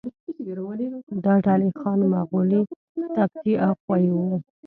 دا ډلې خان، مغولي، تبتي او خویي وو.